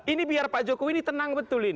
ini biar pak jokowi ini tenang betul ini